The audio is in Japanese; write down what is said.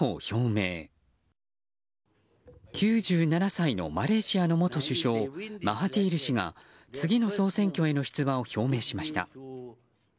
９７歳のマレーシアの元首相マハティール氏が次の総選挙への出馬を表明しました。